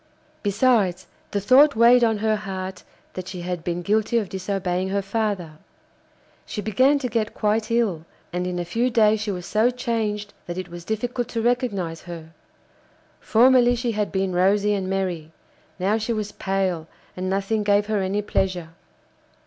Besides, the thought weighed on her heart that she had been guilty of disobeying her father. She began to get quite ill, and in a few days she was so changed that it was difficult to recognise her; formerly she had been rosy and merry, now she was pale and nothing gave her any pleasure.